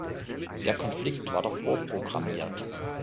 Der Konflikt war doch vorprogrammiert.